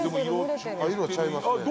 色ちゃいますね。